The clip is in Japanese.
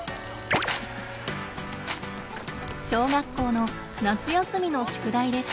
小学校の夏休みの宿題です。